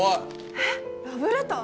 えっラブレター？